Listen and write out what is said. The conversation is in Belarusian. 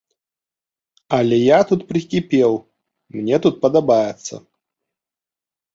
Але я тут прыкіпеў, мне тут падабаецца.